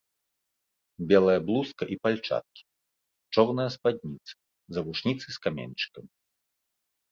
Белая блузка і пальчаткі, чорная спадніца, завушніцы з каменьчыкам.